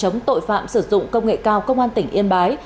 chống tội phạm sử dụng công nghệ cao công an tỉnh yên bái